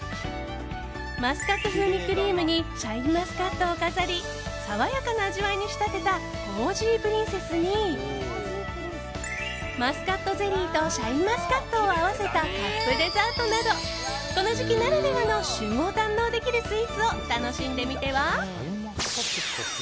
マスカット風味クリームにシャインマスカットを飾り爽やかな味わいに仕立てたコージープリンセスにマスカットゼリーとシャインマスカットを合わせたカップデザートなどこの時期ならではの旬を堪能できるスイーツを楽しんでみては？